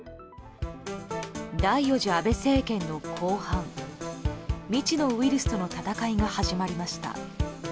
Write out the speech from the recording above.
第４次安倍政権の後半未知のウイルスとの闘いが始まりました。